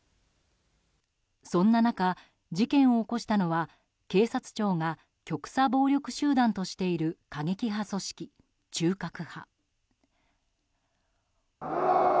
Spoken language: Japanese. そんな中事件を起こしたのは警視庁が極左暴力集団としている過激派組織、中核派。